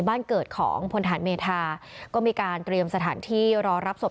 บ้านเกิดของพลฐานเมธาก็มีการเตรียมสถานที่รอรับศพ